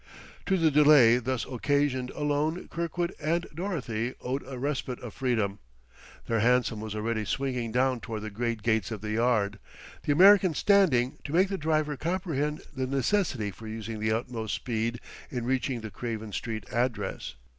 To the delay thus occasioned alone Kirkwood and Dorothy owed a respite of freedom. Their hansom was already swinging down toward the great gates of the yard, the American standing to make the driver comprehend the necessity for using the utmost speed in reaching the Craven Street address.